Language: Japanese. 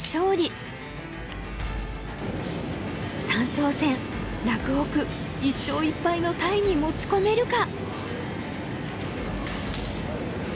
まずは洛北１勝１敗のタイに持ち込めるか。